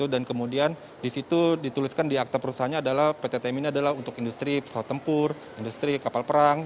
dan kemudian disitu dituliskan di akte perusahaannya adalah pt tmi ini adalah untuk industri pesawat tempur industri kapal perang